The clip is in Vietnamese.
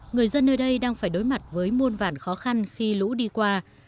người dân nơi đây đang phải đối mặt với muôn vản khó khăn khi lũ đi qua